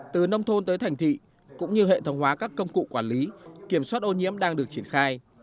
từ nông thôn tới thành thị cũng như hệ thống hóa các công cụ quản lý kiểm soát ô nhiễm đang được triển khai